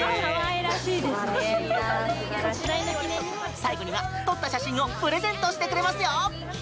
最後には撮った写真をプレゼントしてくれますよ。